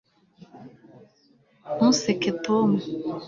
ntuseke tom